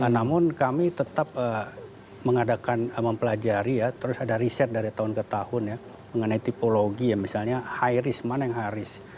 namun kami tetap mengadakan mempelajari ya terus ada riset dari tahun ke tahun ya mengenai tipologi ya misalnya high risk mana yang high risk